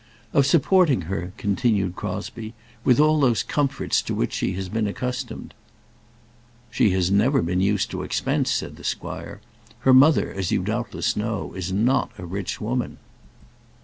"Of supporting her," continued Crosbie, "with all those comforts to which she has been accustomed." "She has never been used to expense," said the squire. "Her mother, as you doubtless know, is not a rich woman."